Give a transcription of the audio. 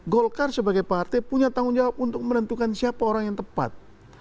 golkar sebagai partai punya tanggung jawab untuk menentukan siapa orang yang tepat